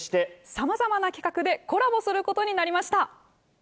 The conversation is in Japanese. さまざまな企画でコラボすることになりました。